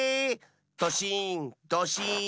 ドシーンドシーン！